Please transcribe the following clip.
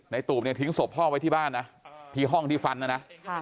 ตูบเนี่ยทิ้งศพพ่อไว้ที่บ้านนะที่ห้องที่ฟันนะนะ